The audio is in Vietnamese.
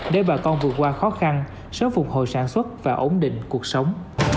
để bà con vượt qua khó khăn sớm phục hồi sản xuất và ổn định cuộc sống